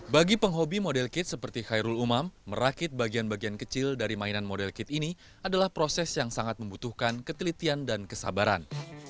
bagi penghobi model kit seperti khairul umam merakit bagian bagian kecil dari mainan model kit ini adalah proses yang sangat membutuhkan ketelitian dan kesabaran